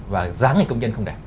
và dáng hình công nhân không đẹp